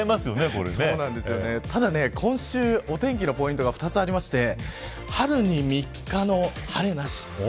ただ、今週は天気のポイントが２つあって春に三日の晴れなし。